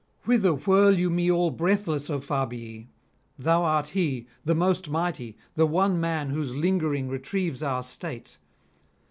Whither whirl you me all breathless, O Fabii? thou art he, the most mighty, the one man whose lingering retrieves our State.